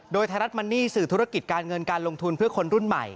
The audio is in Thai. โดยไทยรัฐมันนี่สื่อธุรกิจการเงินการลงทุนเพื่อคนรุ่นใหม่